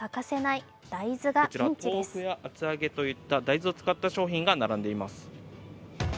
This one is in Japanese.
こちら豆腐や厚揚げといった大豆を使った商品が並んでいます。